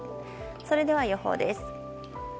それでは予報です。